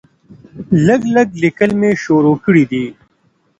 لږ لږ ليکل مې شروع کړي دي